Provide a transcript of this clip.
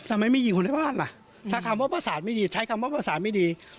ทำไมไม่ยิงคนในบ้านล่ะถ้าคำว่าประสานไม่ดีใช้คำว่าประสานไม่ดี